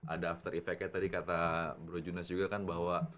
ada after effectnya tadi kata bro junas juga kan bahwa